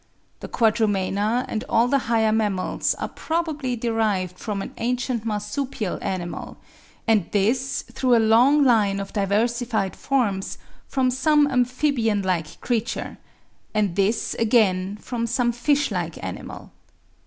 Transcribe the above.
The Quadrumana and all the higher mammals are probably derived from an ancient marsupial animal, and this through a long line of diversified forms, from some amphibian like creature, and this again from some fish like animal.